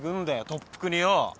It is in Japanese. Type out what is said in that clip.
特服によぉ！